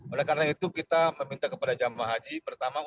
oleh karena itu kita meminta kepada jamaah haji pertama